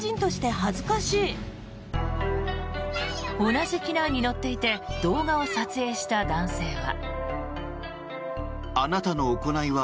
同じ機内に乗っていて動画を撮影した男性は。